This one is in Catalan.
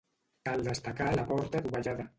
Cal destacar la porta dovellada.